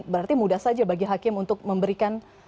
berarti mudah saja bagi hakim untuk memberikan